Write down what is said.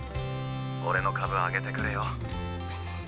俺の株上げてくれよ？